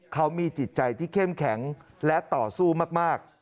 เขามีจิตใจที่เข้มแข็งและต่อสู้มาก